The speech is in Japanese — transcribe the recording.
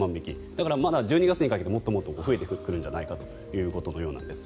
だからまだ１２月にかけてもっと増えてくるんじゃないかということです。